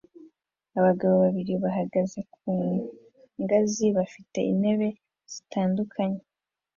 Abagabo babiri bahagaze ku ngazi bafite intebe zitandukanye